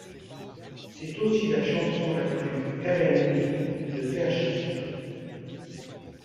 C'est aussi la chanson la plus RnB de Fergie.